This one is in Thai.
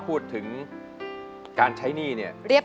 ร้องได้ร้องได้